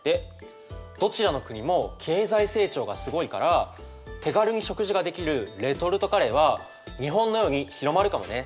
どちらの国も経済成長がすごいから手軽に食事ができるレトルトカレーは日本のように広まるかもね。